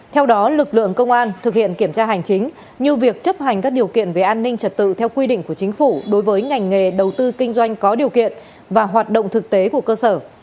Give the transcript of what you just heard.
theo đó lực lượng công an thực hiện kiểm tra hành chính như việc chấp hành các điều kiện về an ninh trật tự theo quy định của chính phủ đối với ngành nghề đầu tư kinh doanh có điều kiện và hoạt động thực tế của cơ sở